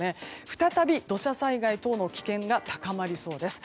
再び土砂災害等の危険が高まりそうです。